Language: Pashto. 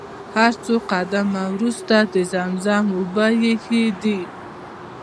هر څو قدمه وروسته د زمزم اوبه ايښي دي.